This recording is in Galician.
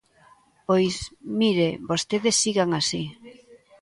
Pois, mire, vostedes sigan así.